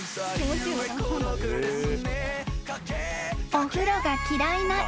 ［お風呂が嫌いな犬］